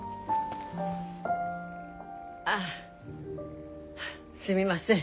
ああすみません。